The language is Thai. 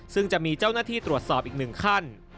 ซึ่งจะมีเจ้าหน้าที่ตรวจสอบอีกหนึ่งขั้น